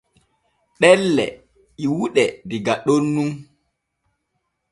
Ɗelle ƴiwuɗe diga ɗon nun.